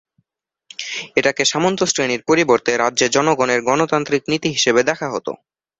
এটাকে সামন্ত শ্রেণীর পরিবর্তে রাজ্যে জনগণের গণতান্ত্রিক নীতি হিসেবে দেখা হত।